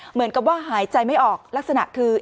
เหมือนกับว่าหายใจไม่ออกลักษณะคือ